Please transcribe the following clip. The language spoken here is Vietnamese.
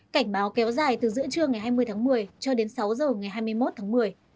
cảnh báo kéo dài từ giữa trưa ngày hai mươi tháng một mươi cho đến sáu giờ ngày hai mươi một tháng một mươi